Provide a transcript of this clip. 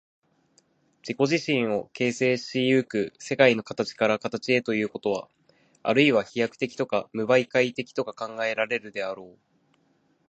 自己自身を形成し行く世界の形から形へということは、あるいは飛躍的とか無媒介的とか考えられるであろう。